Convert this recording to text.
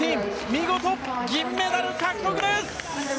見事、銀メダル獲得です！